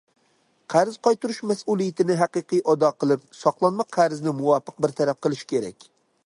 قەرز قايتۇرۇش مەسئۇلىيىتىنى ھەقىقىي ئادا قىلىپ، ساقلانما قەرزنى مۇۋاپىق بىر تەرەپ قىلىش كېرەك.